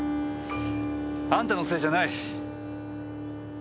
あんたのせいじゃない！